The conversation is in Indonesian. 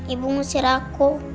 ibu ngusir aku